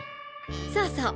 そうそう！